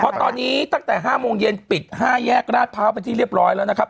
เพราะตอนนี้ตั้งแต่๕โมงเย็นปิด๕แยกราชพร้าวเป็นที่เรียบร้อยแล้วนะครับ